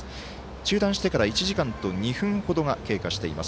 中断してから１時間と２分ほど経過しています。